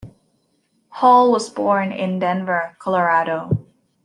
Hall was born in Denver, Colorado.